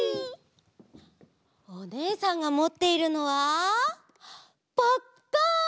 おねえさんがもっているのはパッカン！